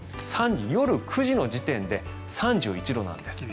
夜９時の時点で３１度なんです。